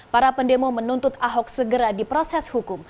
para pendemo menuntut ahok segera di proses hukum